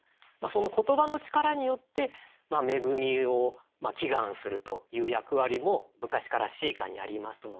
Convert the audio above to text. その言葉の力によって恵みを祈願するという役割も昔から詩歌にありますので。